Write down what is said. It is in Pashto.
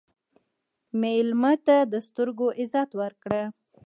مېلمه ته د سترګو عزت ورکړه.